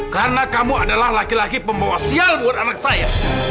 karena kamu adalah laki laki pembawa sial buat anak saya